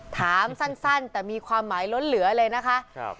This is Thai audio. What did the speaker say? ถามสั้นแต่มีความหมายล้นเหลือเลยนะคะ